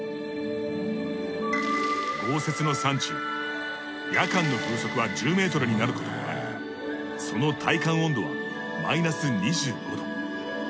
豪雪の山中夜間の風速は１０ｍになることもありその体感温度はマイナス２５℃。